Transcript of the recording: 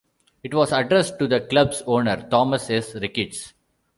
It was addressed to the club's owner Thomas S. Ricketts.